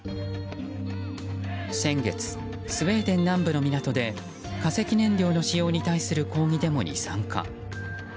先月、スウェーデン南部の港で化石燃料の使用に対する抗議デモに参加。